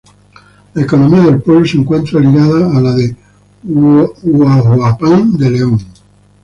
La economía del pueblo se encuentra ligada a la de Huajuapan de León.